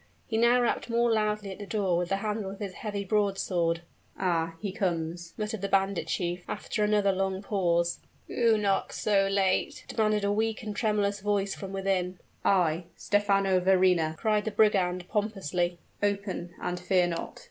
He now rapped more loudly at the door with the handle of his heavy broadsword. "Ah! he comes!" muttered the bandit chief, after another long pause. "Who knocks so late?" demanded a weak and tremulous voice from within. "I Stephano Verrina!" cried the brigand pompously: "open and fear not."